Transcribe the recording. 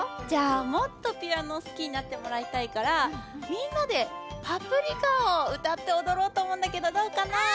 じゃあもっとピアノをすきになってもらいたいからみんなで「パプリカ」をうたっておどろうとおもうんだけどどうかな？